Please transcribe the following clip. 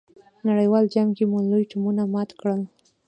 نړیوال جام کې مو لوی ټیمونه مات کړل.